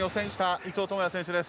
伊藤智也選手です。